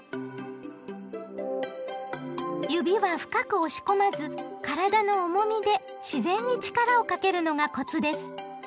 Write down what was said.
指は深く押し込まず体の重みで自然に力をかけるのがコツです。